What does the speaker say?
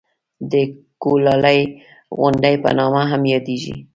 د کولالۍ غونډۍ په نامه هم یادېږي.